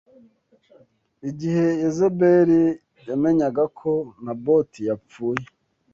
Igihe Yezebeli yamenyaga ko Naboti yapfuye